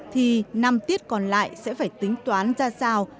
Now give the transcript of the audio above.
thì năm tiết còn lại sẽ phải tính toán ra sao